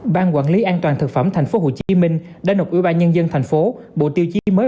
ban quản lý an toàn thực phẩm tp hcm đã nộp ubnd tp hcm bộ tiêu chí mới